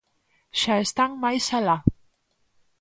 Xa están máis alá.